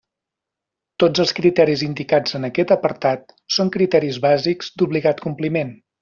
Tots els criteris indicats en aquest apartat són criteris bàsics d'obligat compliment.